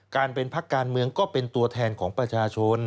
การเป็นพักการเมืองก็เป็นตัวแทนของประชาชน